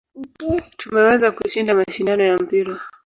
Tumeweza kushinda mashindano ya mpira.